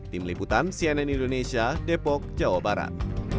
tim liputan cnn indonesia depok jawa barat